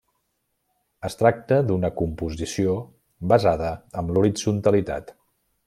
Es tracta d'una composició basada amb l'horitzontalitat.